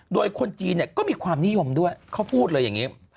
โดยคนจีนก็มีความนิยมด้วยเขาพูดเลยอย่างนี้